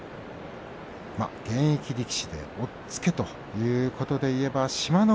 現役力士で押っつけということでいえば志摩ノ